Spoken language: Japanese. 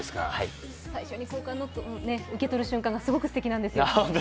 最初に交換日記を受け取る瞬間がすごくすてきなんですよ。